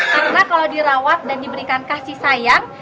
karena kalau dirawat dan diberikan kasih sayang